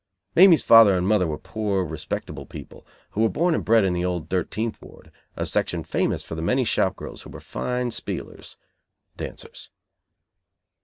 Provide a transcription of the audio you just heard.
Mamie's father and mother were poor, respectable people, who were born and bred in the old thirteenth ward, a section famous for the many shop girls who were fine "spielers" (dancers).